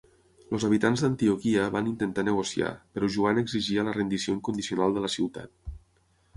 Els habitants d'Antioquia van intentar negociar, però Joan exigia la rendició incondicional de la ciutat.